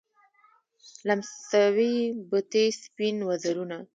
لمسوي بتې سپین وزرونه